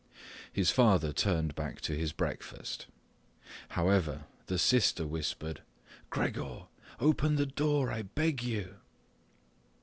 His father turned back to his breakfast. However, the sister whispered, "Gregor, open the door—I beg you."